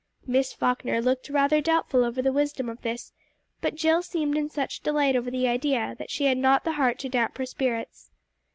Miss Falkner looked rather doubtful over the wisdom of this, but Jill seemed in such delight over the idea that she had not the heart to damp her spirits.